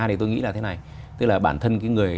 thì tôi nghĩ là thế này tức là bản thân cái người